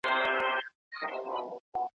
نو یې ووېشل ډوډۍ پر قسمتونو